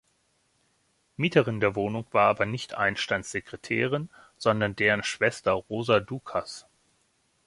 Mieterin der Wohnung war aber nicht Einsteins Sekretärin, sondern deren Schwester Rosa Dukas.